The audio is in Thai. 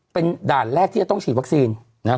เป็นด่านแรกที่จะต้องฉีดวัคซีน